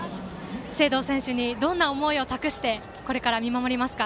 成憧選手にどんな思いを託して見守りますか？